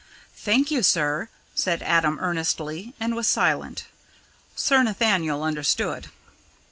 "Thank you, sir," said Adam earnestly, and was silent. Sir Nathaniel understood.